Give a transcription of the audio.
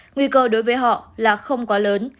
nguy cơ đối với họ là không quá lớn